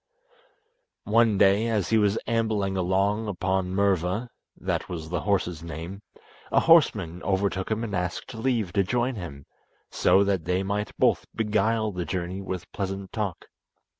One day, as he was ambling along upon Murva (that was the horse's name), a horseman overtook him and asked leave to join him, so that they might both beguile the journey with pleasant talk.